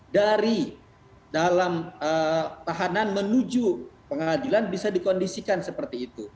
dari dalam tahanan menuju pengadilan bisa dikondisikan seperti itu